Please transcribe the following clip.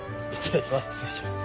失礼します。